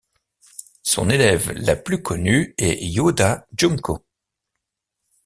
Son élève la plus connue est Ueda Junko.